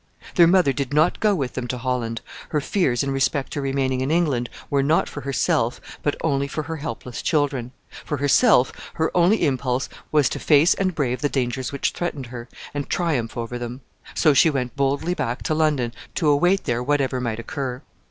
Their mother did not go with them to Holland. Her fears in respect to remaining in England were not for herself, but only for her helpless children. For herself, her only impulse was to face and brave the dangers which threatened her, and triumph over them. So she went boldly back to London, to await there whatever might occur.